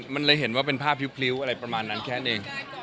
มันเลยเห็นว่าเป็นภาพพริ้วอะไรประมาณนั้นแค่เอง